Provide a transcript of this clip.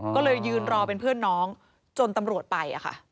ก็เลยยืนรอเป็นเพื่อนน้องจนตำรวจไป